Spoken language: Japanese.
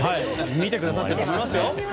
見てくださっていますよ。